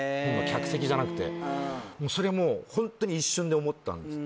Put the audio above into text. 客席じゃなくてそれはもうホントに一瞬で思ったんです